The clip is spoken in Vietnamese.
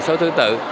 hai nghìn số thứ tự